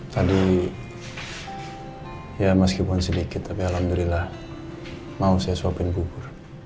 tadi ya meskipun sedikit tapi alhamdulillah mau saya suapin bubur